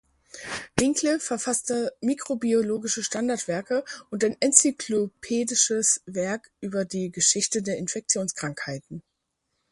Winkle verfasste mikrobiologische Standardwerke und ein enzyklopädisches Werk über die Geschichte der Infektionskrankheiten.